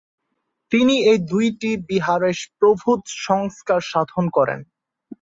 তিনি এই দুইটি বিহারের প্রভূত সংস্কার সাধন করেন।